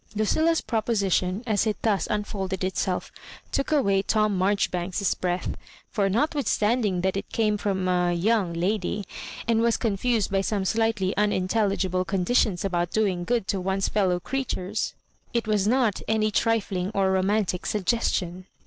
LuciUa's proposition, as it thus unfolded itself, took away Tom Marjoribanks's breatti, for notwithstanding that it came from a (young) lady, and. was confused by some slightly uninteUlgible conditions about doing good to one's fellow creatures, it was not aay trifling Digitized by VjOOQIC 178 MISS MARJORIBANKS. or romantic suggestion.